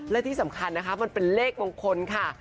และที่สำคัญนะคะมันเป็นเลขมงคลค่ะ